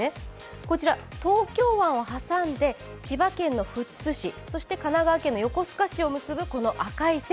こちら、東京湾を挟んで千葉県の富津市、そして神奈川県の横須賀市を結ぶ、この赤い線。